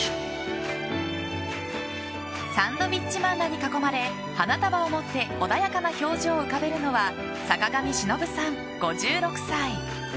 サンドウィッチマンらに囲まれ花束を持って穏やかな表情を浮かべるのは坂上忍さん、５６歳。